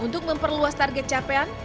untuk memperluas target capaian